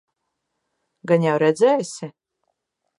Gan jau redzēsi?